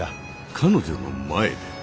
彼女の前で。